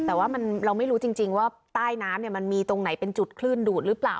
แต่ว่าเราไม่รู้จริงว่าใต้น้ำมันมีตรงไหนเป็นจุดคลื่นดูดหรือเปล่า